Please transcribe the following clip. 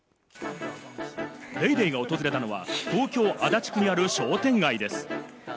『ＤａｙＤａｙ．』が訪れたのは東京・足立区にある商店街です。